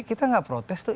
kita nggak protes tuh